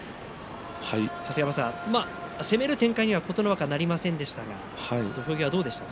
攻める展開には琴ノ若はなりませんでしたが土俵際どうでしたか。